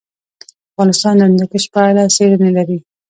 افغانستان د هندوکش په اړه څېړنې لري.